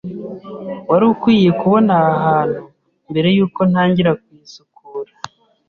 Wari ukwiye kubona aha hantu mbere yuko ntangira kuyisukura.